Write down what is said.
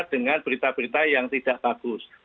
dengan berita berita yang tidak bagus